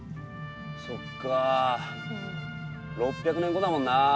そっか６００年後だもんな